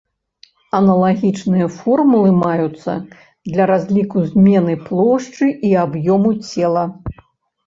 Аналагічныя формулы маюцца для разліку змены плошчы і аб'ёму цела.